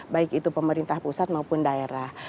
baik itu pemerintah pusat maupun daerah